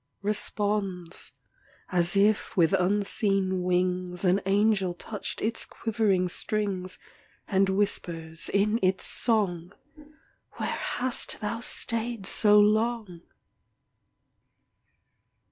Responds, as if with unseen wings, An angel touched its quivering strings; And whispers, in its song, "'Where hast thou stayed so long?"